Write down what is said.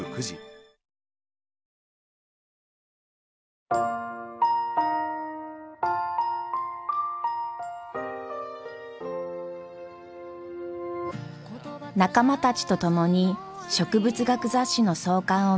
仲間たちと共に植物学雑誌の創刊を目指す万太郎。